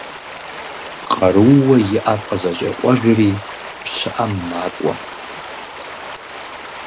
Къарууэ иӀэр къызэщӀекъуэжри, пщыӏэм макӀуэ.